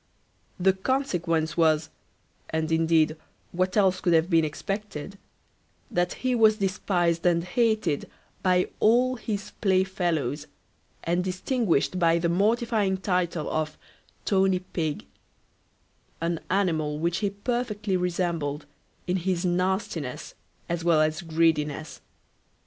The consequence was (and indeed what else could have been expected) that he was despised and hated by all his play fellows, and distinguished by the mortifying title of Tony Pig; an animal which he perfectly resembled in his nastiness as well as greediness.